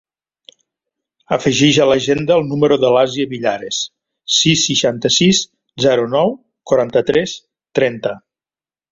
Afegeix a l'agenda el número de l'Àsia Villares: sis, seixanta-sis, zero, nou, quaranta-tres, trenta.